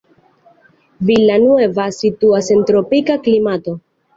Villa Nueva situas en tropika klimato.